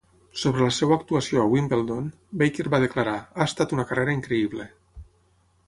Sobre la seva actuació a Wimbledon, Baker va declarar: "Ha estat una carrera increïble".